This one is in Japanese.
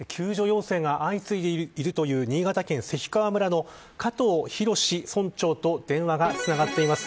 続いて、救助要請が相次いでいるという新潟県関川村の加藤弘村長と電話がつながっています。